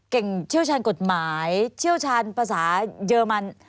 เชี่ยวชาญกฎหมายเชี่ยวชาญภาษาเยอรมัน